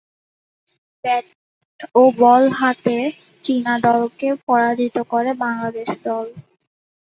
Bat ও ball হাতে চীনা দলকে পরাজিত করে বাংলাদেশ দল।